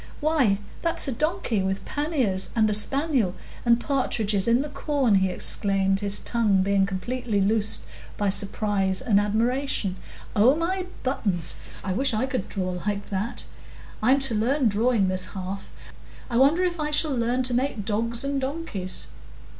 "Why, that's a donkey with panniers, and a spaniel, and partridges in the corn!" he exclaimed, his tongue being completely loosed by surprise and admiration. "Oh my buttons! I wish I could draw like that. I'm to learn drawing this half; I wonder if I shall learn to make dogs and donkeys!"